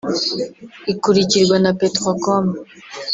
ikurikirwa na Petrocom